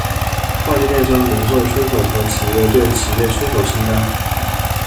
跨境电商零售出口和企业对企业出口清单